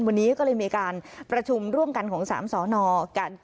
วันนี้ก็เลยมีการประชุมร่วมกันของ๓สอนอกัน